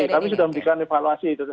tapi sudah memberikan evaluasi